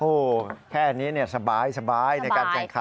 โอ้โฮแค่อันนี้เนี่ยสบายในการแข่งขัน